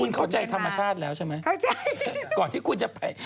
คุณเข้าใจธรรมชาติแล้วใช่ไหมเข้าใจ